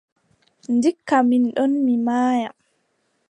Ndikka min ɗon mi maaya.